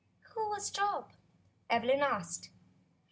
"Who was Job.?" Evelyn asked.